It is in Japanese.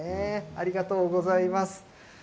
ありがとうございます。